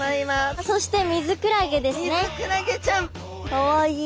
かわいい。